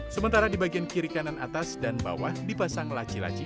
sementara di bagian kiri kanan atas dan bawah dipasang laci laci